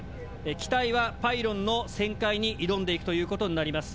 機体はパイロンの旋回に挑んでいくという事になります。